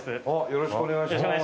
よろしくお願いします。